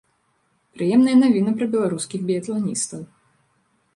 Прыемная навіна пра беларускіх біятланістаў.